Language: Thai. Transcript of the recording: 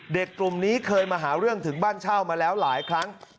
กลุ่มนี้เคยมาหาเรื่องถึงบ้านเช่ามาแล้วหลายครั้ง